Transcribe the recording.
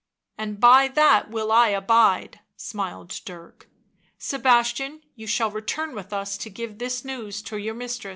And by that will I abide," smiled Dirk. tl Sebastian, you shall return with us to give this news to your mistress."